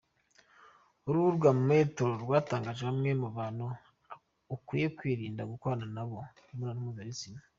Urubuga Metro rwatangaje bamwe mu bantu ukwiye kwirinda gukorana na bo imibonano mpuzabitsina.